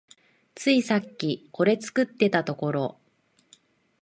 ついさっきこれ作ってたところ